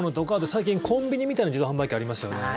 最近、コンビニみたいな自動販売機ありますよね。